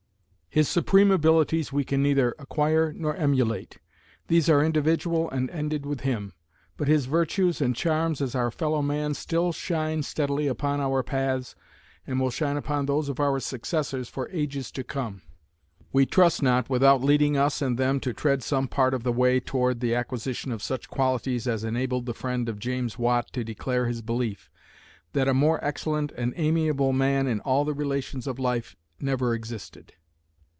His supreme abilities we can neither acquire nor emulate. These are individual and ended with him. But his virtues and charms as our fellow man still shine steadily upon our paths and will shine upon those of our successors for ages to come, we trust not without leading us and them to tread some part of the way toward the acquisition of such qualities as enabled the friend of James Watt to declare his belief that "a more excellent and amiable man in all the relations of life never existed."